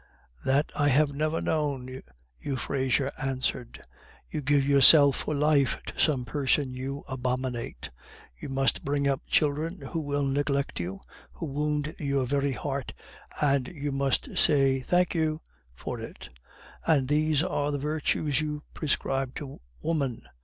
"That I have never known!" Euphrasia answered. "You give yourself for life to some person you abominate; you must bring up children who will neglect you, who wound your very heart, and you must say, 'Thank you!' for it; and these are the virtues you prescribe to woman.